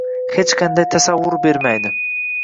Hech qanday tasavvur bermaydi.